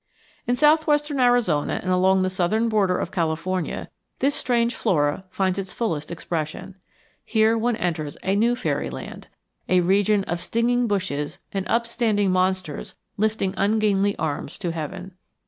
In southwestern Arizona and along the southern border of California this strange flora finds its fullest expression. Here one enters a new fairy land, a region of stinging bushes and upstanding monsters lifting ungainly arms to heaven.